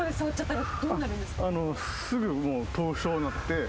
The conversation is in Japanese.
すぐ凍傷になって。